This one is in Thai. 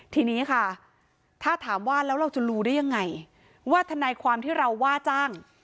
ทีนี้ค่ะถ้าถามว่าแล้วเราจะรู้ได้ยังไงว่าทนายความที่เราว่าจ้าง